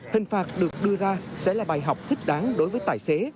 hình phạt được đưa ra sẽ là bài học thích đáng đối với tài xế